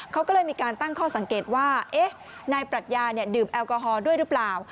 เขาก็เลยมีการตั้งข้อสังเกตว่านายปรัชญาดื่มแอลกอฮอลด้วยหรือเปล่า